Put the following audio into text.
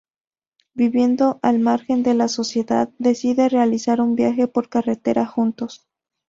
Viviendo al margen de la sociedad deciden realizar un viaje por carretera juntos.